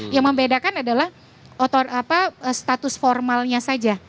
yang membedakan adalah status formalnya saja